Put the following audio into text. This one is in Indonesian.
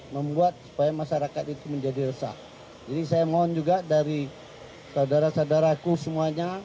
membuat supaya masyarakat itu menjadi resah jadi saya mohon juga dari saudara saudaraku semuanya